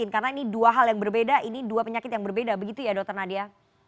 karena ini dua hal yang berbeda ini dua penyakit yang berbeda begitu ya dokter nadia